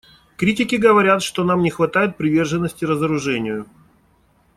Критики говорят, что нам не хватает приверженности разоружению.